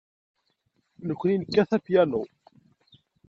Nekkni nekkat apyanu.